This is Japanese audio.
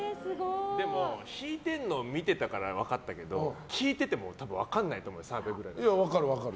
でも、弾いてるのを見てたから分かったけど聴いてても分かんないと思うよ澤部くらいは。いや分かる、分かる。